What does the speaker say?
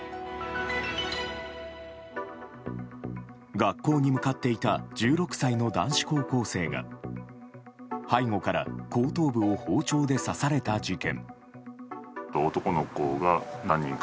学校に向かっていた１６歳の男子高校生が背後から後頭部を包丁で刺された事件。